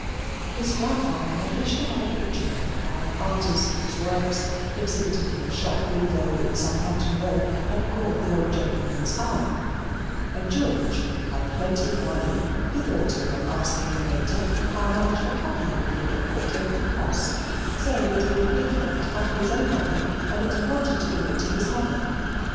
His grandfather had wished to have a picture of him by an artist whose works, exhibited in a shop window, in Southampton Row, had caught the old gentleman's eye; and George, who had plenty of money, bethought him of asking the painter how much a copy of the little portrait would cost, saying that he would pay for it out of his own money and that he wanted to give it to his mother.